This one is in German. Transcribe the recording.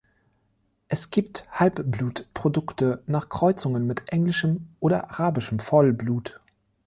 Es gibt Halbblut-Produkte nach Kreuzungen mit englischem oder arabischem Vollblut.